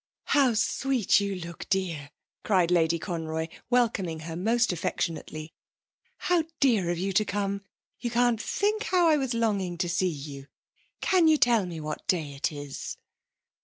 'How sweet you look, dear!' cried Lady Conroy, welcoming her most affectionately. 'How dear of you to come. You can't think how I was longing to see you. Can you tell me what day it is?'